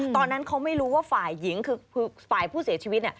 ตอนนั้นเขาไม่รู้ว่าฝ่ายหญิงคือฝ่ายผู้เสียชีวิต